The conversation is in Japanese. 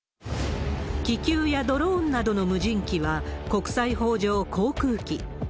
気球やドローンなどの無人機は、国際法上、航空機。